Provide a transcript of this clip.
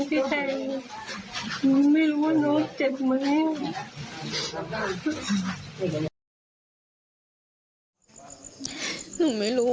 เนอะเจ็บแม่นึกไม่รู้